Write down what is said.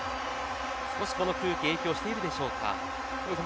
この空気少し影響しているでしょうか。